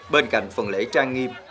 bên cạnh phần lễ trang nghiêm